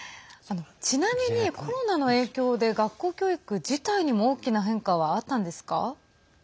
ちなみに、コロナの影響で学校教育自体にも大きな変化はあったんですか？